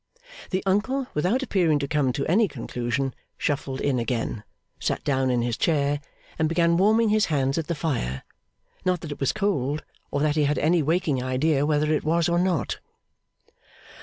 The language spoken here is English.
The uncle, without appearing to come to any conclusion, shuffled in again, sat down in his chair, and began warming his hands at the fire; not that it was cold, or that he had any waking idea whether it was or not.